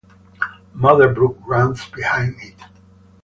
Mother Brook runs behind it.